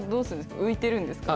浮いてるんですか？